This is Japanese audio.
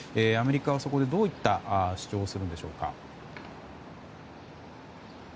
アメリカは、そこでどういった主張をするんでしょうか？